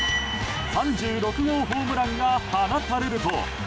３６号ホームランが放たれると。